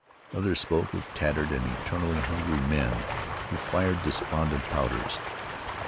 Others spoke of tattered and eternally hungry men who fired despondent powders.